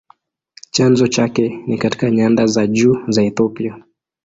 Chanzo chake ni katika nyanda za juu za Ethiopia.